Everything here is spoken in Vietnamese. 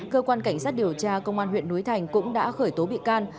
cơ quan cảnh sát điều tra công an huyện núi thành cũng đã khởi tố bị can